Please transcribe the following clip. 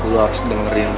lu harus dengerin gua